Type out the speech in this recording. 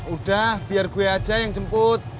udah biar gue aja yang jemput